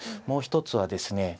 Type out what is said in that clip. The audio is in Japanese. もう一つはですね